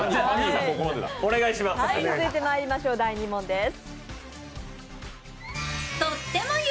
続いてまいりましょう、第２問です。